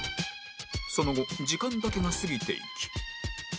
その後時間だけが過ぎていき